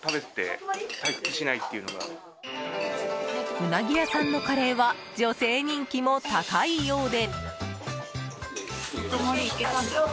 ウナギ屋さんのカレーは女性人気も高いようで。